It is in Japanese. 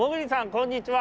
こんにちは。